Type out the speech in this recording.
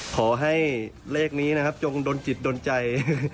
ขอให้เลขนี้นะครับจงดนจิตโดนใจ